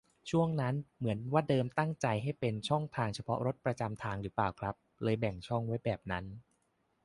ช่วงนั้นเหมือนว่าเดิมตั้งใจให้เป็นช่องเฉพาะรถประจำทางหรือเปล่าครับ เลยแบ่งช่องไว้แบบนั้น